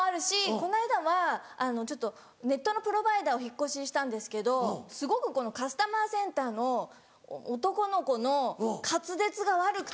この間はちょっとネットのプロバイダーを引っ越ししたんですけどすごくこのカスタマーセンターの男の子の滑舌が悪くて。